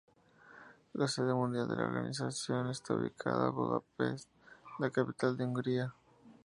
La sede mundial de la organización está ubicada en Budapest, la capital de Hungría.